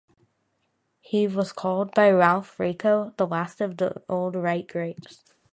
He was called by Ralph Raico the last of the Old Right greats.